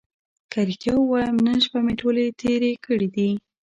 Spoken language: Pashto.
که رښتیا ووایم نن شپه مې ټولې تېرې کړې دي.